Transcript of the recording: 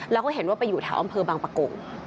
แล้วก็เห็นว่าไปอยู่แถวอำเภอบางปะกง